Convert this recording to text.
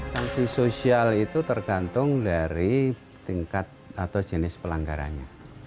sanksi sosial itu tergantung dari tingkat atau jenis pelanggarannya